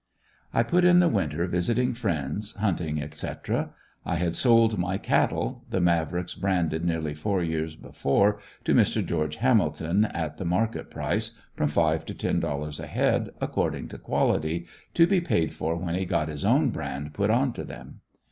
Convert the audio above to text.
I put in the winter visiting friends, hunting, etc. I had sold my cattle the mavricks branded nearly four years before to Mr. Geo. Hamilton, at the market price, from five to ten dollars a head, according to quality, to be paid for when he got his own brand put on to them.